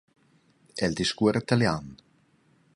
El discuora talian.